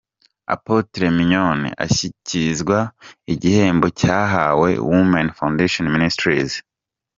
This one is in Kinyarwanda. Apotre Mignonne ashyikirizwa igihembo cyahawe Women Foundation Ministries.